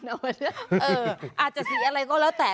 อาจจะสีอะไรก็แล้วแต่